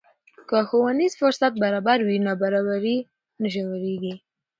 که ښوونیز فرصت برابر وي، نابرابري نه ژورېږي.